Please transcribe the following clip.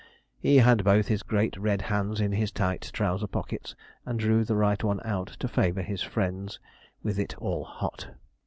He had both his great red hands in his tight trouser pockets, and drew the right one out to favour his friends with it 'all hot.'